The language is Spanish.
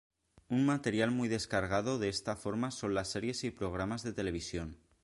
Un material muy descargado de esta forma son las series y programas de televisión.